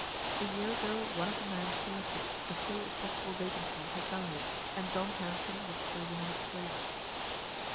A year ago one of the men selected to fill a possible vacancy had died, and John Harrington was chosen in his place.